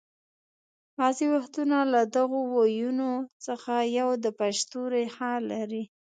بعضې وختونه له دغو ويونو څخه یو د پښتو ریښه لري